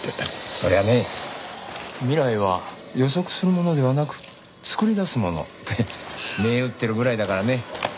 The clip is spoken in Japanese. そりゃね「未来は予測するものではなく作り出すもの」って銘打ってるぐらいだからね。